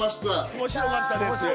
面白かったですよ。